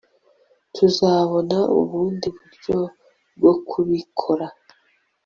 Tuzabona ubundi buryo bwo kubikora